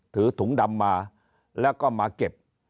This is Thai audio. ถือถุงดำมาแล้วก็มาเก็บ